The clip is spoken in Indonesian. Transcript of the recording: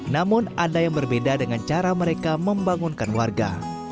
namun ada yang berbeda dengan cara mereka membangunkan warga